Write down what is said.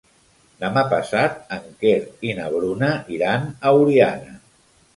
Demà passat en Quer i na Bruna iran a Oliana.